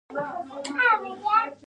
ډيپلومات د هېواد د وګړو د حقوقو دفاع کوي .